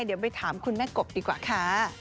เดี๋ยวไปถามคุณแม่กบดีกว่าค่ะ